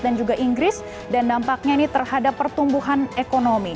dan juga inggris dan dampaknya ini terhadap pertumbuhan ekonomi